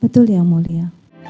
betul ya mulia